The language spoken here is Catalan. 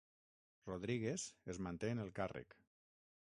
Rodríguez es manté en el càrrec